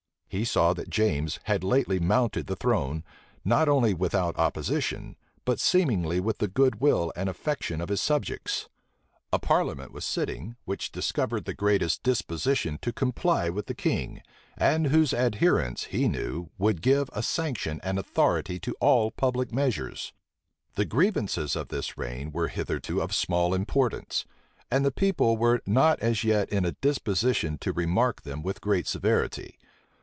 He saw that James had lately mounted the throne, not only without opposition, but seemingly with the good will and affections of his subjects. A parliament was sitting, which discovered the greatest disposition to comply with the king, and whose adherence, he knew, would give a sanction and authority to all public measures. The grievances of this reign were hitherto of small importance; and the people were not as yet in a disposition to remark them with great severity.